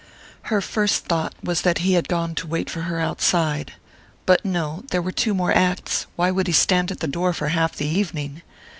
Her first thought was that he had gone to wait for her outside. But no there were two more acts: why should he stand at the door for half the evening?